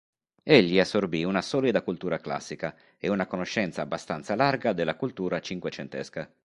Egli assorbì una solida cultura classica e una conoscenza abbastanza larga della cultura cinquecentesca.